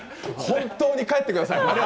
本当に帰ってください。